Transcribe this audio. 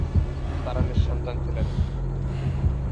তারা নিঃসন্তান ছিলেন।